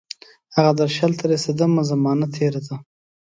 هغه درشل ته رسیدمه، زمانه تیره ده